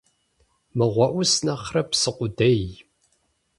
Мыгъуэ Ӏус нэхърэ псы къудей.